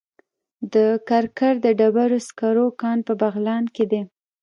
د کرکر د ډبرو سکرو کان په بغلان کې دی